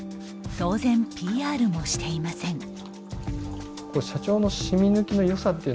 当然、ＰＲもしていません。